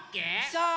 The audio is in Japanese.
そう！